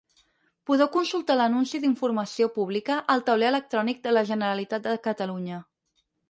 Podeu consultar l'anunci d'informació pública al Tauler electrònic de la Generalitat de Catalunya.